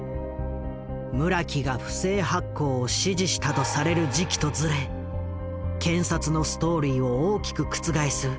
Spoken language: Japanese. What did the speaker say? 村木が不正発行を指示したとされる時期とずれ検察のストーリーを大きく覆す